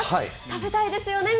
食べたいですよね？